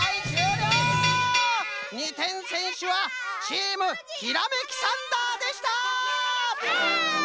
２てんせんしゅはチームひらめきサンダーでした！